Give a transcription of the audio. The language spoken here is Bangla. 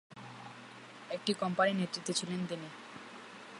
একটি কোম্পানির নেতৃত্বে ছিলেন তিনি।